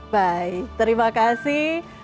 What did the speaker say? baik terima kasih